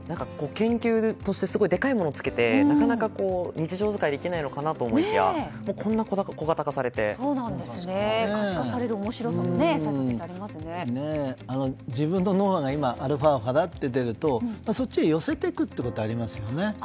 研究としてでかいものをつけてなかなか日常使いできないのかなと思いきや可視化される面白さも自分の脳波がアルファ波だって出るとそっちに寄せていくこともありますよね。